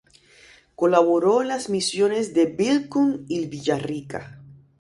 Colaboró en las misiones de Vilcún y Villarrica.